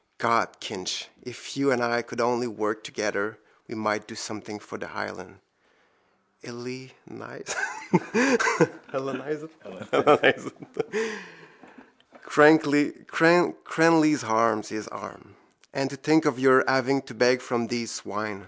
God, Kinch, if you and I could only work together we might do something for the island. Hellenise it. Cranly's arm. His arm. —And to think of your having to beg from these swine.